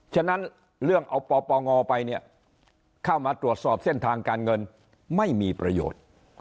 ฉะนั้นเรื่องเอาปปงไปเนี่ยเข้ามาตรวจสอบเส้นทางการเงินไม่มีประโยชน์